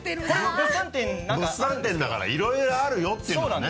物産展だからいろいろあるよっていうのをね。